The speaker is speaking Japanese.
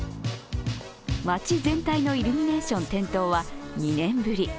街全体のイルミネーション点灯は、２年ぶり。